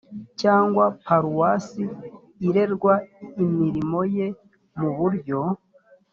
cyangwa paruwase irerwa imirimo ye mu buryo